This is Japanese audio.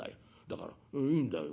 だからいいんだよ。